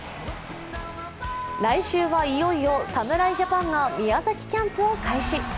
来週はいよいよ侍ジャパンが宮崎キャンプを開始。